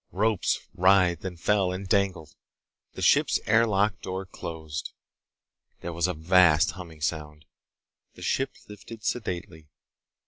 Ropes writhed and fell and dangled. The ship's air lock door closed. There was a vast humming sound. The ship lifted sedately.